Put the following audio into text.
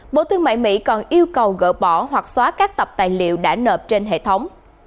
bộ thương mại mỹ còn yêu cầu gỡ bỏ hoặc xóa các tập tài liệu đã nợp trên hệ thống